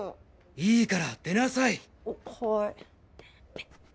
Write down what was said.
いいから出なさい！ははい。